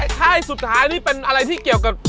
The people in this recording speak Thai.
ค่ายสุดท้ายนี่เป็นอะไรที่เกี่ยวกับ